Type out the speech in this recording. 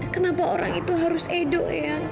kenapa orang itu harus edo ya